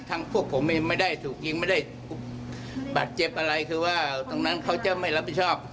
พวกผมเองไม่ได้ถูกยิงไม่ได้บาดเจ็บอะไรคือว่าตรงนั้นเขาจะไม่รับผิดชอบ